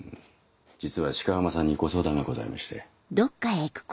実は鹿浜さんにご相談がございまして。